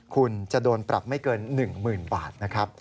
คุณจะโดนปรับไม่เกิน๑๐๐๐บาทนะครับ